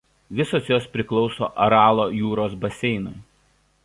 Visos jos priklauso Aralo jūros baseinui.